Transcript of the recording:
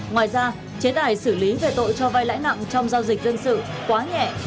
ngoài ra chế tài xử lý về tội cho vai lãi nặng trong giao dịch dân sự quá nhẹ